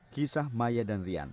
kisah maya dan rian